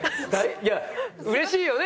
いや嬉しいよね。